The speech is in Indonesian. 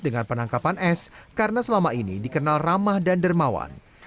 dengan penangkapan s karena selama ini dikenal ramah dan dermawan